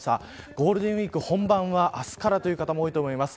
ゴールデンウイーク本番は明日からという方も多いと思います。